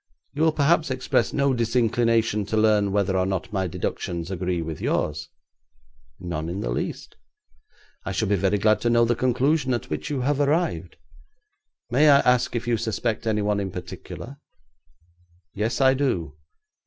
You will perhaps express no disinclination to learn whether or not my deductions agree with yours.' 'None in the least. I should be very glad to know the conclusion at which you have arrived. May I ask if you suspect any one in particular?' 'Yes, I do.'